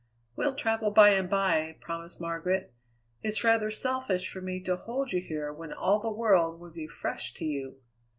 "We'll travel by and by," promised Margaret. "It's rather selfish for me to hold you here when all the world would be fresh to you."